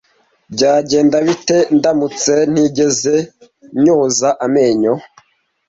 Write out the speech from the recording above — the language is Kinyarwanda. Byagenda bite ndamutse ntigeze nyoza amenyo? h